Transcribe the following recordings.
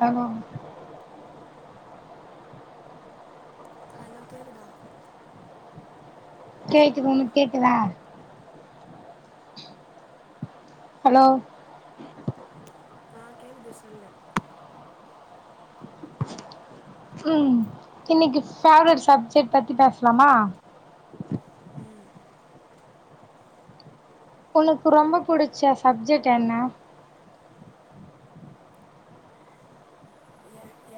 hello hello கேக்குதா கேக்குது உனக்கு கேக்குதா ஹலோ ஆ கேக்குது சொல்லு ம் இன்னைக்கு ஃபேவரட் சப்ஜெக்ட் பத்தி பேசலாமா உனக்கு ரொம்ப புடிச்ச சப்ஜெக்ட் என்ன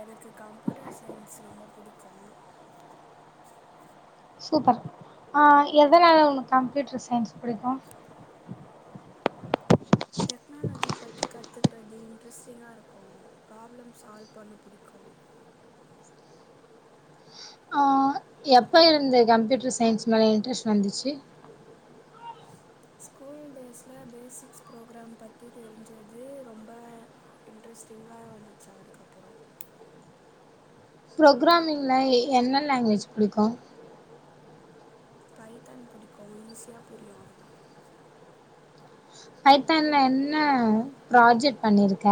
எனக்கு கம்ப்யூட்டர் சயின்ஸ் ரொம்ப புடிக்கு சூப்பர் ஆ எதனால உனக்கு கம்ப்யூட்டர் சயின்ஸ் புடிக்கு டெக்னாலஜிய பத்தி க த்துக்கறது இன்ட்ரெஸ்டிங்கா இருக்கு ப்ராப்ளம் சால்வ் பண்ண புடிக்கு எப்ப இருந்து கம்ப்யூட்டர் சயின்ஸ் மேல இன்ட்ரெஸ்ட் வந்துச்சு ஸ்கூல் டேஸ்ல பேசிக்ஸ் ப்ரோகிரேம் பத்தி தெரிஞ்சது ரொம்ப இன்ட்ரெஸ்டிங்கா வந்துச்சி அதுக்கப்பற ப்ரோக்ராமிங்ல என்ன லேங்வேஜ் புடிக்கு பைத்தான் புடிக்கு ஈஸியா புரியு அதுதா பைத்தான்ல என்ன ப்ராஜெக்ட் பண்ணிருக்க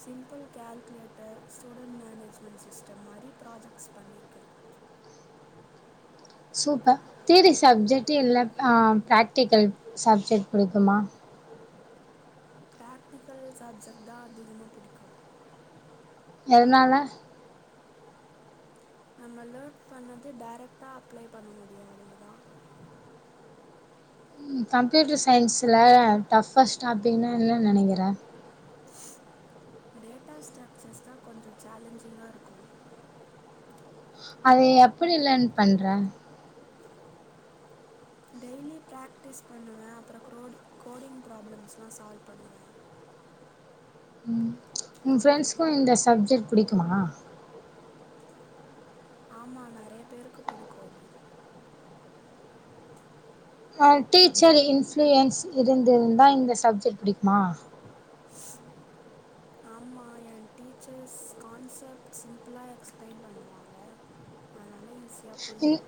simple calculator student management system மாரி ப்ராஜெக்ட்ஸ் பண்ணிர்க்கே சூப்பர் தியரி சப்ஜெக்ட் இல்ல ஆ ப்ரேக்டிகல் சப்ஜெக்ட் புடிக்குமா ப்ரேக்டிகல் சப்ஜெக்ட்தா அதிகமா புடிக்கு எதனால நம்ம லேர்ன் பண்ணது டைரக்டா அப்ளை பண்ண முடியு அதுலதா ம் கம்ப்யூட்டர் சயின்ஸ்ல டஃப்பஸ்ட் டாபிக்னா என்ன நெனைக்கிற டேட்டா ஸ்ட்ரக்சர்ஸ் தா கொஞ்ச சேலஞ்சிங்கா இருக்கு அது எப்படி லேர்ன் பண்ற டெய்லி பிராக்டிஸ் பண்ணுவ அப்பற க்ரோடு கோடிங் ப்ராப்ளம்ஸ்லா சால்வ் பண்ணுவ உ ஃப்ரெண்ட்ஸ்க்கு இந்த சப்ஜெட் புடிக்குமா ஆமா நெறயா பேருக்கு புடிக்கு அது ஆ டீச்சர் இன்ஃபுளுயன்ஸ் இருந்திருந்தா இந்த சப்ஜெட் புடிக்குமா ஆமா எ டீச்சர்ஸ் கான்செப்ட் சிம்பிளா எக்ஸ்பிளைன் பண்ணுவாங்க அதனால ஈசி யா புரியு இந்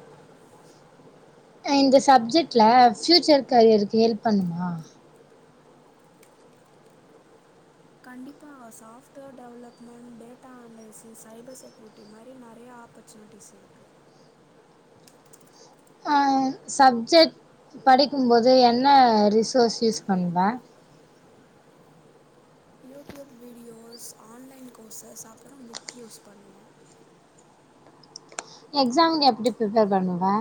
இந்த சப்ஜெட்ல பியூச்சர் கரியருக்கு ஹெல்ப் பண்ணுமா கண்டிப்பா software development data analysis cyber security மாரி நெறயா ஆப்பர்ச்சுனிட்டிஸ் இருக்கு சப்ஜெட் படிக்கும்போது என்ன ரிசோர்ஸ் யூஸ் பண்வ யூடியூப் வீடியோஸ் ஆன்லைன் கோர்சஸ் அப்பற புக் யூஸ் பண்ணுவ எக்ஸாம்க்கு எப்டி ப்ரிபேர் பண்ணுவ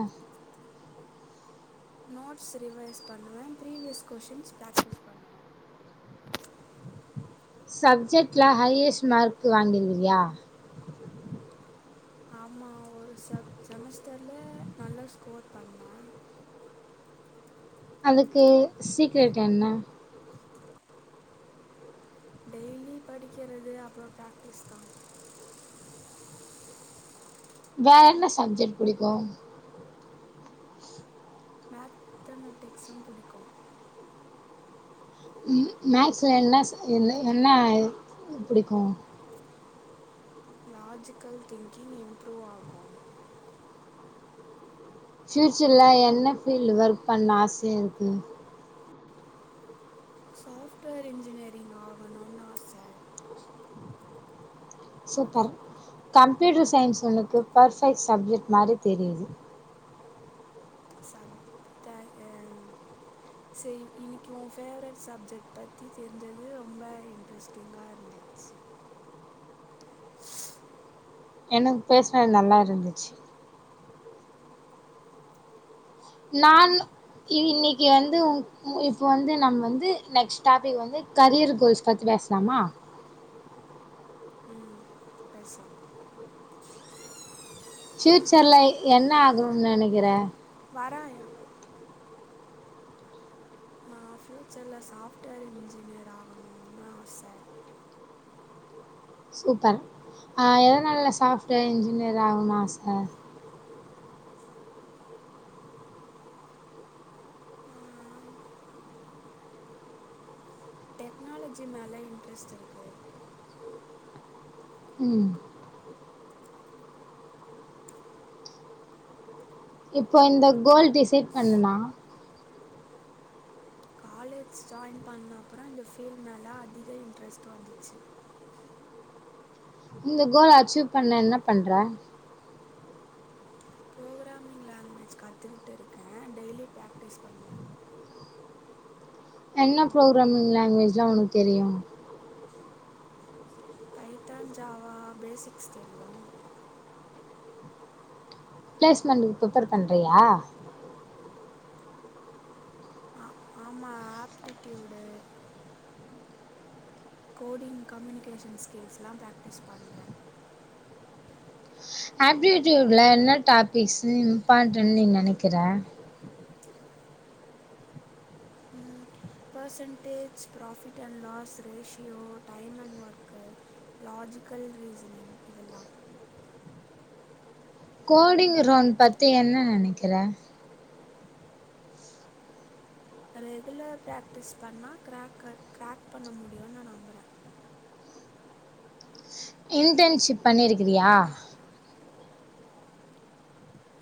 நோட்ஸ் ரிவைஸ் பண்ணுவ பிரிவியஸ் கொஷின்ஸ் பிரேக்டிஸ் பண்ணுவ சப்ஜெட்ல ஹையஸ்ட் மார்க்கு வாங்கி இருக்கியா ஆமா ஒரு செ செமஸ்டர்ல நல்ல ஸ்கோர் பண்ணே அதுக்கு சீக்ரெட் என்ன டெய்லி படிக்கிறது அப்புறம் பிராக்டிஸ் தான் வேற என்ன சப்ஜெட் புடிக்கு மேத்தமெட்டிக்ஸும் புடிக்கும் ம் மேக்ஸ்ல என்ன ச என்ன என்ன புடிக்கும் லாஜிக்கல் திங்கிங் இம்ப்ரூவ் ஆகும் பியூச்சர்ல என்ன ஃபீல்டு ஒர்க் பண்ண ஆசயா இருக்கு சாஃப்ட்வேர் இன்ஜீனியரிங் ஆகனுன்னு ஆசை சூப்பர் கம்ப்யூட்டர் சயின்ஸ் உனக்கு பர்ஃபெக்ட் சப்ஜெக்ட் மாரி தெரிது சப் தா எ செரி இன்னைக்கு உன் பேவரெட் சப்ஜெக்ட் பத்தி தெருஞ்சது ரொம்ப இன்ட்ரெஸ்டிங்கா இருந்துச்சு எனக்கு பேசுனது நல்லா இருந்துச்சு நானு இ இன்னைக்கு வந்து உ உ இப்ப வந்து நம்ம வந்து நெக்ஸ்ட் டாபிக் வந்து கரியர் கோல்ஸ் பத்தி பேசலாமா ம் பேசலாம் பியூச்சர்ல என்ன இதோ வரேன் ஆகனும்ன்னு நெனக்கிற வராயா நான் ஃபியூச்சர்ல சாஃப்ட்வேர் இன்ஜினியர் ஆகணும்னு ஆச சூப்பர் ஆஹ் எதனால்ல சாஃப்ட்வேர் இன்ஜினியர் ஆகனும் ஆச டெக்னாலஜி மேல இன்ட்ரெஸ்ட் இருக்கு உம் இப்போ இந்த கோல் டிசைட் பண்ணுனா‌ காலேஜ் ஜாயின் பண்ண அப்புறம் இந்த ஃபீல்ட் மேல அதிக இன்ட்ரெஸ்ட் வந்துச்சு இந்த கோல் அச்சீவ் பண்ண என்ன பண்ற ப்ரோக்ராமிங் லாங்வேஜ் கத்துக்கிட்டு இருக்கேன் டெய்லி பிராக்டிஸ் பண்ணுவே என்ன ப்ரோக்ராமிங் லாங்குவேஜ்லாம் ஒனக்கு தெரியும் பைத்தான் ஜாவா பேசிக்ஸ் தெரியும் பிளேஸ்மெண்ட்க்கு பிர்ப்பர் பண்றியா ஆஹ் ஆமா ஆப்ட்டிடியூடு கோடிங் கம்யூனிகேஷன் ஸ்கில்ஸ்லாம் பிராக்டிஸ் பண்றே ஆப்டிடியூட்ல என்ன டாபிக்ஸு இம்பார்ட்டன்னு நீ நெனைக்கிற percentage profit and loss ratio time and work logical reasoning இதெல்லாம் கோடிங் ரோன் பத்தி என்ன நெனைக்கிற ரெகுலர் பிராக்டிஸ் பண்ணா கிராக்கர் கிராக் பண்ண முடியும்னு நான் நம்புறேன் இன்டன்ஷிப் பண்ணிருக்கிறியா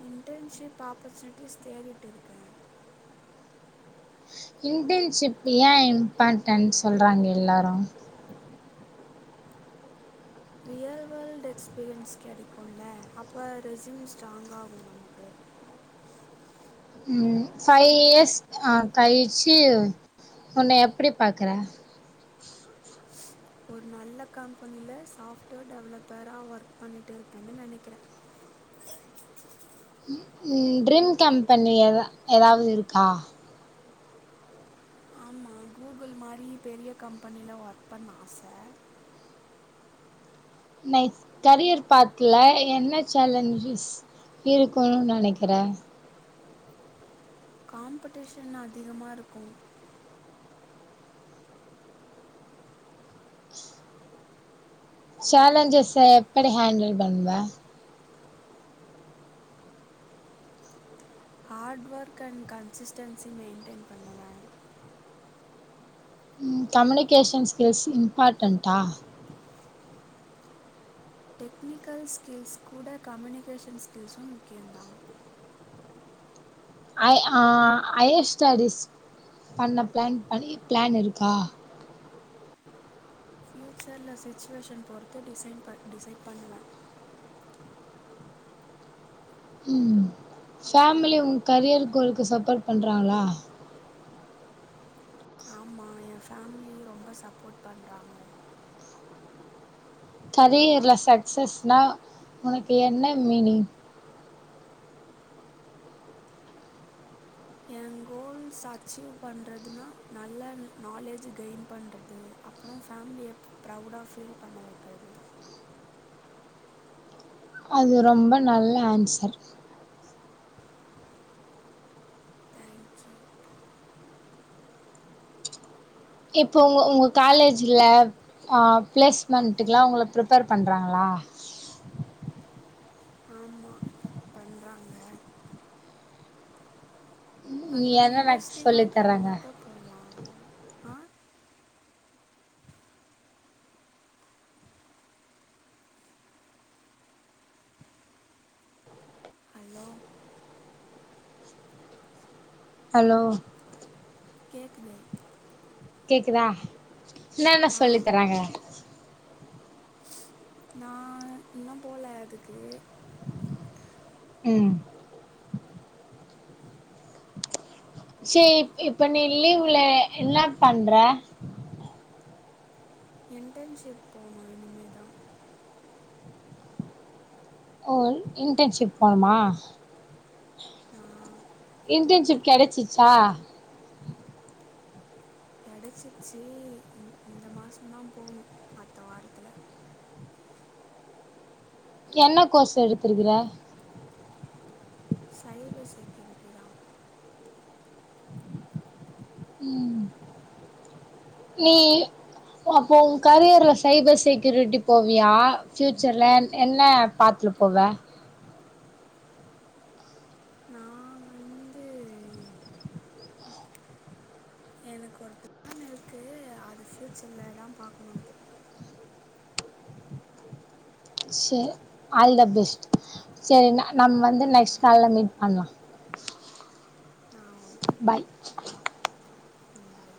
இன்டன்ஷிப் ஆப்பர்ச்சுனிட்டிஸ் தேடிட்டு இருக்கேன் இன்டன்ஷிப் ஏன் இம்பாட்டன் சொல்றாங்க எல்லாரும் ரியல் வேர்ல்ட் எக்ஸ்பீரியன்ஸ் கெடைக்குல்ல அப்போ ரெசூம் ஸ்ட்ராங்க் ஆகும் நமக்கு பைவ் இயர்ஸ் ஆஹ் கழிச்சு உன்னய எப்டி பாக்குற ஒரு நல்ல கம்பெனில சாப்ட்வேர் டெவலப்பரா ஒர்க் பண்ணிட்டு இருப்பேன்னு நெனைக்கிறேன் ம் ட்ரீம் கம்பெனி ஏதா ஏதாவது இருக்கா ஆமா கூகுள் மாரி பெரிய கம்பெனில ஒர்க் பண்ண ஆச நெக்ஸ்ட் கரியர் பாட்டுல என்ன சேலஞ்சஸ் இருக்குனு நெனைக்கிற காம்படிஷன் அதிகமா இருக்கும் சேலஞ்சஸ எப்படி ஹேண்டில் பண்ணுவ hard work and consistency maintain பண்ணுவே ம் கம்யூனிகேஷன் ஸ்கில்ஸ் இம்பார்ட்டன்ட்டா டெக்னிக்கல் ஸ்கில்ஸ் கூட கம்யூனிகேஷன் ஸ்கில்ஸும் முக்கியம் தான் ஹை ஆஹ் ஹையர் ஸ்டடிஸ் பண்ண பிளான் பண்ணி பிளான் இருக்கா ஃப்யூச்சர்ல சிச்சுவேஷன் பொறுத்து டிசைன் ப டிசைட் பண்ணுவேன் உம் ஃமிலி உங்க கரியருக்கு ஒரு சப்போர்ட் பண்றாங்களா ஆமா என் ஃபேமிலி ரொம்ப சப்போர்ட் பண்றாங்க கரியர்ல சக்சஸ்னா உனக்கு என்ன மீனிங் என் கோல்ஸ் அச்சீவ் பண்ணுறதுன்னா நல்ல நாலேஜ் கெயின் பண்ணுறது அப்புறம் ஃபேமிலியை எப்போ ப்ரௌடாக ஃபீல் பண்ண வைக்கிறது அது ரொம்ப நல்ல ஆன்சர் தேங்க்யூ இப்போ உங்க உங்க காலேஜ்ல ஹ பிளேஸ்மெண்டலாம் உங்கள பிரிப்பர் பண்றாங்களா ஆமாம் பண்ணுறாங்க நீ ஆனா என்னன்ன இன்ட்ரெஸ்டிங்கா சொல்லி இருக்கிறவங்க தர்றாங்க மட்டு போகலா ஆஹ் ஹலோ ஹலோ கேட்குதே கேக்குதா என்ன என்ன ஆ சொல்லித் தராங்க நான் இன்னும் போல அதுக்கு உம் சேரி இப்ப நீ லீவுல என்ன பண்ற இன்டர்ன்ஷிப் போனும் இனிமே தான் ஓ இன்டன்ஷிப் போணுமா நான் இன்டர்ன்ஷிப் கிடைச்சச்சா கிடைச்சுச்சு இந்த மாசம தான் போகணும் அடுத்த வாரத்துல என்ன கோர்ஸ் எடுத்து இருக்கிற சைபர் செகண்ட் [inaudible] நீ அப்போ உங்க கரியர்ல சைபர் செக்யூரிட்டி போவியா பியூச்சர்ல என்ன பாத்துட்டுபோவ நான் வந்து எனக்கு ஒரு பிளான் இருக்கு அது பியூச்சர்ல தான் பாக்கணும் அது சரி ஆல் த பெஸ்ட் சரி நம்ம வந்து நெக்ஸ்ட் கால்ல மீட் பண்லா ஆ ஓகே பாய் பாய்